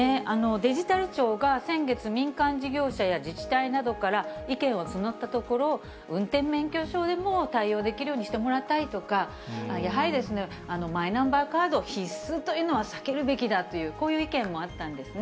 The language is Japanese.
デジタル庁が先月、民間事業者や自治体などから、意見を募ったところ、運転免許証でも対応できるようにしてもらいたいとか、やはり、マイナンバーカード必須というのは避けるべきだという、こういう意見もあったんですね。